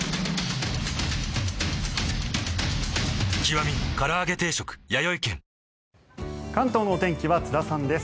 わぁ関東のお天気は津田さんです。